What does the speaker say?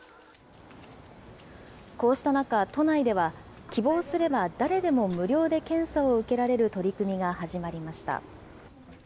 こうした中、都内では、希望すれば誰でも無料で検査を受けられる取り組みが始まりました。